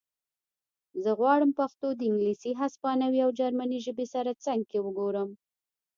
زه غواړم پښتو د انګلیسي هسپانوي او جرمنۍ ژبې سره څنګ کې وګورم